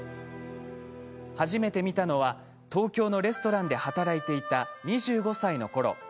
初めて見たのは東京のレストランで働いていた２５歳のころ。